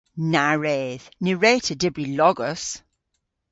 Na wredh! Ny wre'ta dybri logos.